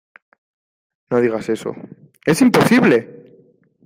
no digas eso... ¡ es imposible!